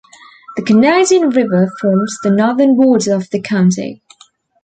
The Canadian River forms the northern border of the county.